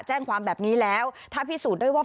แจ้งความแบบนี้แล้วถ้าพิสูจน์ได้ว่า